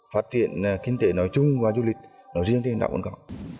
phát triển kinh tế nói chung qua du lịch nói riêng về huyện đảo cồn cỏ